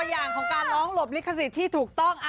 อย่างของการร้องหลบลิขสิทธิ์ที่ถูกต้อง